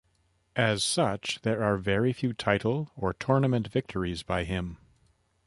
As such, there are very few title or tournament victories by him.